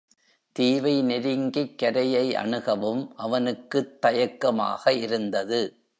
தீவை நெருங்கிக் கரையை அணுகவும் அவனுக்குத் தயக்கமாக இருந்தது.